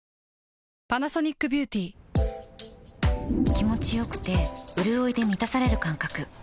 気持ちよくてうるおいで満たされる感覚